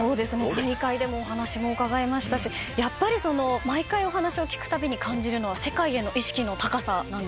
大会でもお話も伺いましたしやっぱり毎回お話を聞くたびに感じるのは世界への意識の高さなんですよね。